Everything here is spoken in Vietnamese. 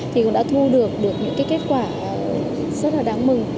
thì cũng đã thu được những kết quả rất đáng mừng